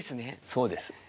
そうです。